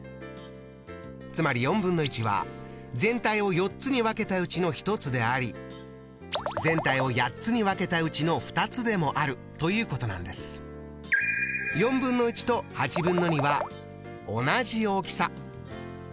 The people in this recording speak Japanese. つまりは全体を４つに分けたうちの１つであり全体を８つに分けたうちの２つでもあるということなんです。とは同じ大きさ。